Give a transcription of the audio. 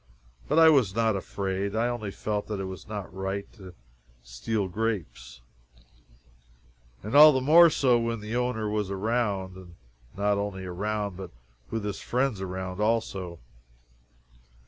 But I was not afraid. I only felt that it was not right to steal grapes. And all the more so when the owner was around and not only around, but with his friends around also.